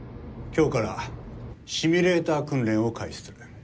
今日からシミュレーター訓練を開始する。